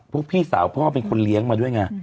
พี่สาวพ่อเป็นคนเลี้ยงมาด้วยไง